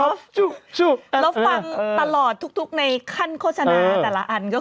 แล้วฟังตลอดทุกในขั้นโฆษณาแต่ละอันก็คือ